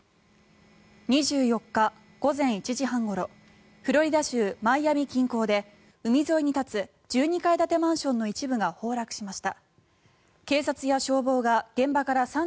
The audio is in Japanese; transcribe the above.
２４日午前１時半ごろフロリダ州マイアミ近郊で海沿いに立つ１２階建てマンションの一部が崩落しました。